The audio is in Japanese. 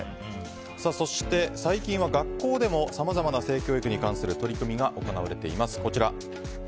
そして最近は学校でもさまざまな性教育に関する取り組みが行われています。